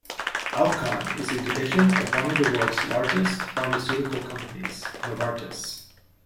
Alcon is a division of one of the world's largest pharmaceutical companies, Novartis.